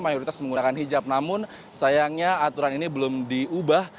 mayoritas menggunakan hijab namun sayangnya aturan ini belum diubah